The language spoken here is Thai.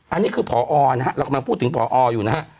อันนี้คือพอนะฮะเรากำลังพูดถึงพออยู่นะฮะ